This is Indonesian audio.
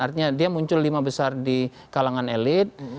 artinya dia muncul lima besar di kalangan elit